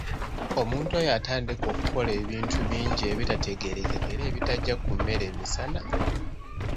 Omuntu oyo atandika okukola ebintu bingi ebitategeerekeka era ebitajja ku mmere emisana!